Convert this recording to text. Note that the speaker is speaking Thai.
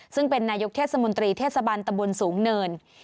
ซึ่งเป็นนายกเทศมนตรีเทศบันตะบนสูงเนิน